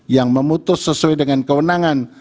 yang memutus sesuai dengan kewenangan